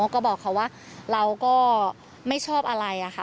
ก็บอกเขาว่าเราก็ไม่ชอบอะไรอะค่ะ